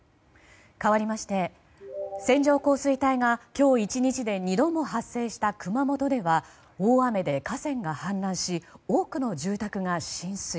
かわりまして、線状降水帯が今日１日で２度も発生した熊本では大雨で河川が氾濫し多くの住宅が浸水。